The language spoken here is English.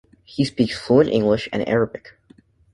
He speaks fluent English and Arabic.